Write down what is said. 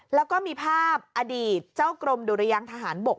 แล้วก็มีภาพอดีตเจ้ากรมดุรยังทหารบก